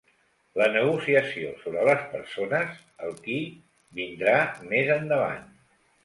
La negociació sobre les persones –el qui– vindrà més endavant.